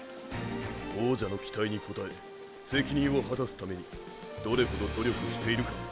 「王者」の期待に応え責任を果たすためにどれほど努力しているかを。